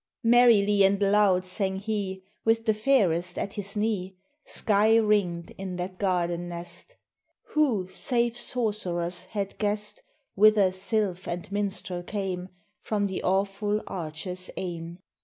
'Merrily and loud sang he, With the fairest at his knee, Sky ringed in that garden nest! Who, save sorcerers, had guessed Whither sylph and minstrel came From the awful Archer's aim?